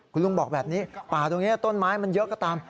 คุณลุงบอกแบบนี้ป่าตรงนี้ต้นไม้มันเยอะก็ตาม